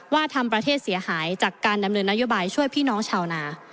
ทำประเทศเสียหายจากการดำเนินนโยบายช่วยพี่น้องชาวนา